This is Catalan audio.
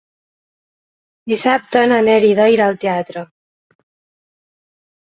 Dissabte na Neida irà al teatre.